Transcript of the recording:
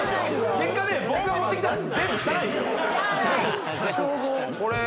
結果僕が持ってきたやつ。